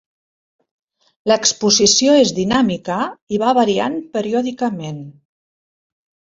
L'exposició és dinàmica i va variant periòdicament.